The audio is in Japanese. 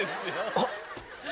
あっ！